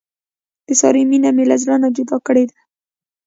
د سارې مینه مې له زړه نه جدا کړې ده.